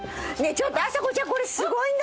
ちょっとあさこちゃん